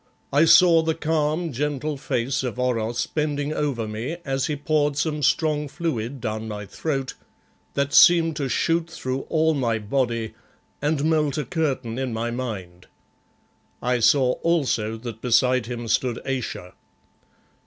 I saw the calm, gentle face of Oros bending over me as he poured some strong fluid down my throat that seemed to shoot through all my body, and melt a curtain in my mind. I saw also that beside him stood Ayesha.